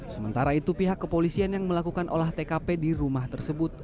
sementara itu pihak kepolisian yang melakukan olah tkp di rumah tersebut